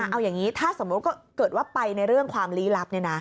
เอาอย่างนี้ถ้าสมมุติเกิดว่าไปในเรื่องความลี้ลับ